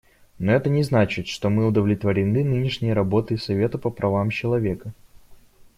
Но это не значит, что мы удовлетворены нынешней работой Совета по правам человека.